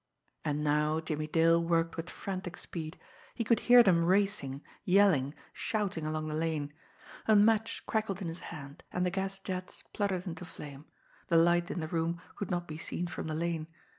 And now Jimmie Dale worked with frantic speed. He could hear them racing, yelling, shouting along the lane. A match crackled in his hand, and the gas jet spluttered into flame the light in the room could not be seen from the lane.